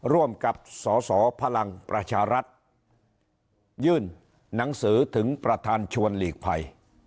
ร่วมกับสสพลังประชารัฐยื่นหนังสือถึงประธานชวนหลีกภัย